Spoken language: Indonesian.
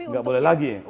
nah tapi untuk